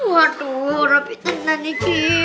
waduh rapi tanah nih ki